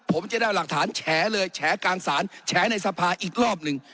ผมจะได้หลักฐานแฉเลยแฉกลางศาลแฉในสภาอีกรอบหนึ่ง